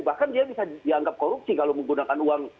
bahkan dia bisa dianggap korupsi kalau menggunakan uang